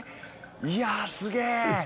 いやすげぇ。